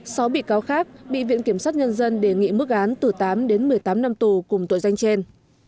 sáu bị cáo khác bị viện kiểm sát nhân dân đề nghị mức án từ tám đến một mươi tám năm tù cùng tội danh trên